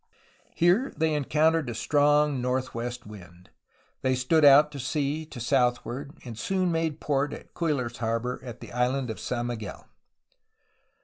Here they encountered a strong northwest wind. They stood out to sea to southward, and soon made port at Cuyler's Harbor in the Island of San Miguel.